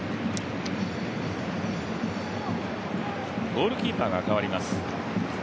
ゴールキーパーが代わります。